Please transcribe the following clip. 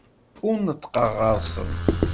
Ur neṭṭqeɣ ɣer-sen.